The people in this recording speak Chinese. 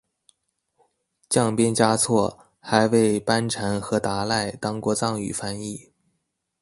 降边嘉措还为班禅和达赖当过藏语翻译。